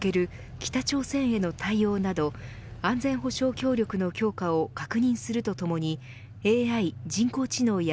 北朝鮮への対応など安全保障協力の強化を確認するとともにＡＩ＝人工知能や